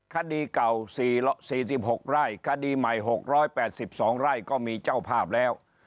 คดีเก่า๔๖ไร่คดีใหม่๖๘๒ไร่ก็มีเจ้าภาพแล้ว